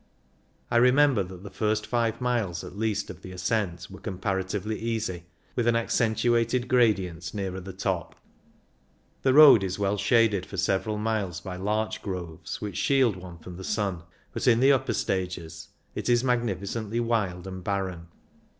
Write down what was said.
I remember that the first five miles at least of the ascent were comparatively easy, with an accentuated gradient nearer the top. The road is well shaded for several miles by larch groves, which shield, one from the sun, but in the upper stages it is magnificently wild and barren.